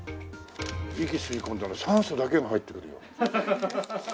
息吸い込んだら酸素だけが入ってくるよ。